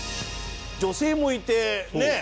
女性もいてね